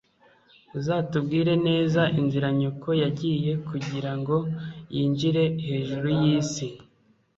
Uzatubwire neza inzira nyoko yagiye kugirango yinjire hejuru yisi?